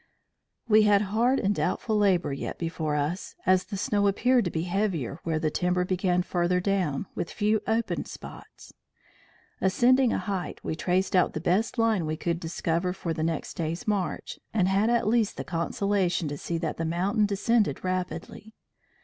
"We had hard and doubtful labor yet before us, as the snow appeared to be heavier where the timber began further down, with few open spots. Ascending a height, we traced out the best line we could discover for the next day's march, and had at least the consolation to see that the mountain descended rapidly.